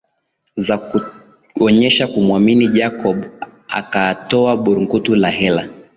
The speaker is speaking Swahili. Zo hakuonyesha kumuamini Jacob akatoa burungutu la hela